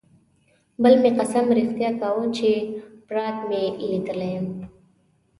بل مې قسم رښتیا کاوه چې پراګ مې لیدلی یم.